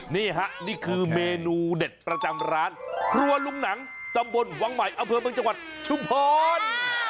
นี่ฮะนี่คือเมนูเด็ดประจำร้านครัวลุงหนังตำบลวังใหม่อำเภอเมืองจังหวัดชุมพร